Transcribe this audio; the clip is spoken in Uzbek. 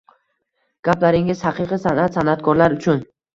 — Gaplaringiz, haqiqiy san’at — san’atkorlar uchun